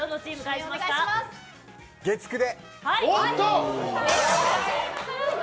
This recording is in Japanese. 月９で。